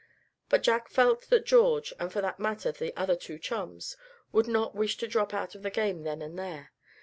But Jack felt that George, and for that matter the other two chums, would not wish to drop out of the game then and there.